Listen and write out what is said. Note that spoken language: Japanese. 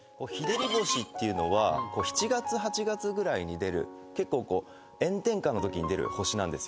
「旱星」っていうのは７月８月ぐらいに出る結構こう炎天下のときに出る星なんですよ。